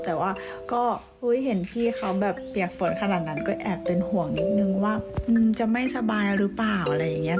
แต่ว่าก็เห็นพี่เขาแบบเปียกฝนขนาดนั้นก็แอบเป็นห่วงนิดนึงว่ามึงจะไม่สบายหรือเปล่าอะไรอย่างนี้